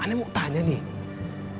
anda mau tanya nih